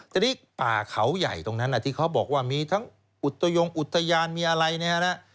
ทีนี้ป่าเขาใหญ่ตรงนั้นที่เขาบอกว่ามีทั้งอุตยงอุทยานมีอะไรนะฮะ